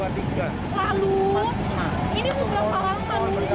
sampai cuma dua yang di depan sini pak yang ngetes pak